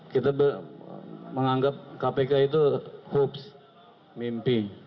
kita menganggap kpk itu hoax mimpi